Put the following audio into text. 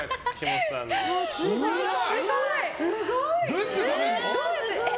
どうやって食べるの？